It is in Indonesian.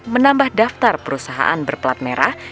menambah daftar perusahaan berplat merah